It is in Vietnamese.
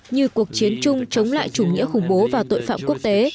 như cuộc chiến chung chống lại chủ nghĩa khủng bố và tội phạm quốc tế